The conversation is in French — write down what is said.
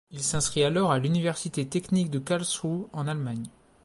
Il s'inscrit alors à l'université technique de Karlsruhe en Allemagne.